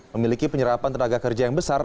memiliki penyerapan tenaga kerja yang besar